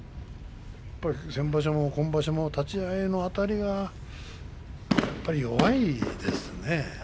先場所も今場所も立ち合いのあたりがやっぱり弱いですね。